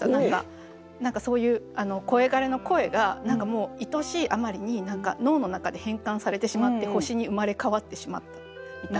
何かそういう声枯れの声が何かもういとしいあまりに脳の中で変換されてしまって星に生まれ変わってしまったみたいな。